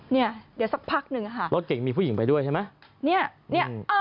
นี่เดี๋ยวสักพักหนึ่งรถเก๋งมีผู้หญิงไปด้วยใช่ไหม